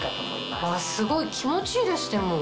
すごい気持ちいいですでも。